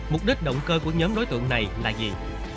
mục đích động cơ của nhóm đối tượng này là gì